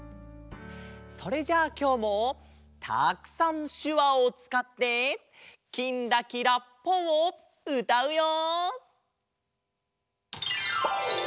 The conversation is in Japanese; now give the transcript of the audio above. それじゃあきょうもたくさんしゅわをつかって「きんらきらぽん」をうたうよ！